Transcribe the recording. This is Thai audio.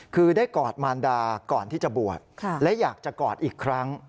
คือได้กอดมารดาก่อนที่จะบวชและอยากจะกอดอีกครั้ง